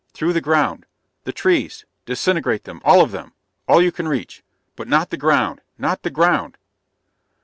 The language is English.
Through the ground. The trees ... disintegrate them ... all of them ... all you can reach. But not the ground ... not the ground...."